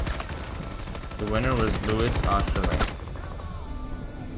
The winner was Lois Ostrolenk.